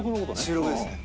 収録ですね。